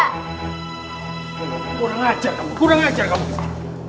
kurang ajar kamu kurang ajar kamu